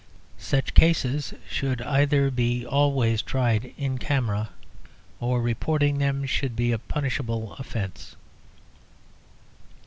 Such cases should either be always tried in camera or reporting them should be a punishable offence.